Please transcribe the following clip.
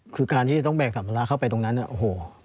คือการที่จะต้องแบ่งสามล้าเข้าไปตรงนั้นโอ้โฮ